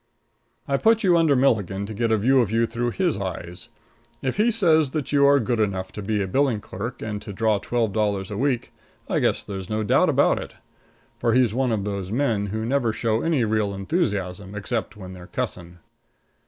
I put you under Milligan to get a view of you through his eyes. If he says that you are good enough to be a billing clerk, and to draw twelve dollars a week, I guess there's no doubt about it. For he's one of those men that never show any real enthusiasm except when they're cussing.